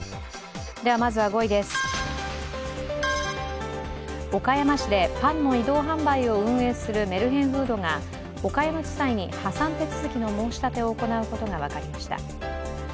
まずは５位です、岡山市でパンの移動販売を運営するメルヘンフードが岡山地裁に破産手続きの申し立てを行うことが分かりました。